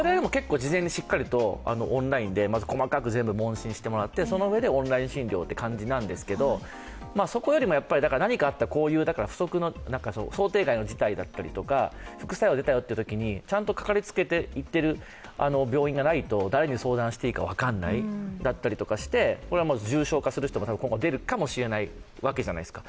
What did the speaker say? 事前にオンラインで細かく問診してもらって、オンライン診療という形なんですけどそこよりも、だから何かあったらこういう想定外の事態だったりとか副作用が出たときに、ちゃんとかかりつけて行っている病院がないと誰に相談していいか分からないだったりとかして、今後重症化する人も出るかもしれないわけじゃないですか。